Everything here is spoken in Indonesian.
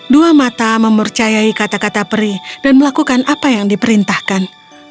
dua mata mempercayai kata kata perih dan melakukan apa yang diperintahkan